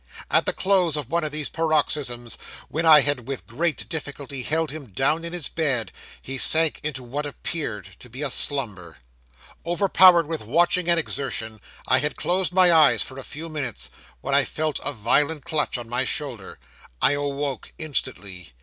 'At the close of one of these paroxysms, when I had with great difficulty held him down in his bed, he sank into what appeared to be a slumber. Overpowered with watching and exertion, I had closed my eyes for a few minutes, when I felt a violent clutch on my shoulder. I awoke instantly.